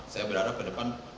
saya berharap ke depan